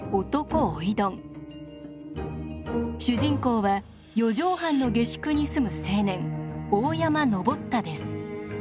主人公は四畳半の下宿に住む青年大山昇太です。